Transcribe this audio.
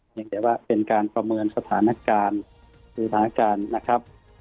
ยังแต่ว่าเป็นการประเมินสถานการณ์หรือสถานการณ์นะครับ